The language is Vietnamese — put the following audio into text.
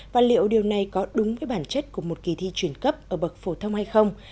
và liệu điều này có đúng với bản chất của một kỳ thi chuyển cấp ở bậc phổ thông hay không